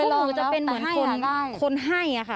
คือจะเป็นเหมือนคนให้ค่ะ